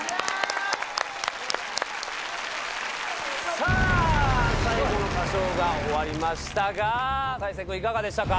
さぁ最後の歌唱が終わりましたが太星君いかがでしたか？